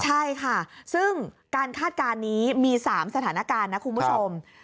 ใช่ค่ะซึ่งการคาดการณ์นี้มี๓สถานการณ์นะคุณผู้ชม